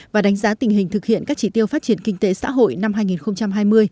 và đánh giá tình hình thực hiện các chỉ tiêu phát triển kinh tế xã hội năm hai nghìn hai mươi